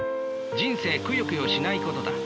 人生くよくよしないことだ。